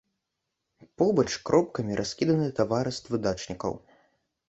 Побач кропкамі раскіданы таварыствы дачнікаў.